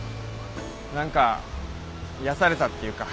何か癒やされたっていうか。